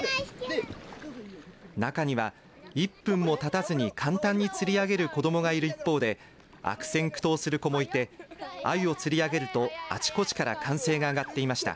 中には１分もたたずに簡単につり上げる子どもがいる一方で悪戦苦闘する子もいてアユを釣り上げるとあちこちから歓声が上がっていました。